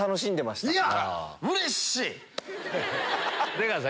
出川さん